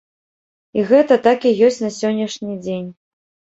І гэта так і ёсць на сённяшні дзень.